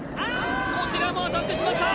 こちらも当たってしまった！